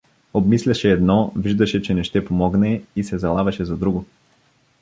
Обмисляше едно, виждаше, че не ще помогне, и се залавяше за друго.